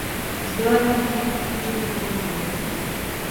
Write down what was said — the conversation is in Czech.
Zbylé dva týmy utvořily druhou dvojici.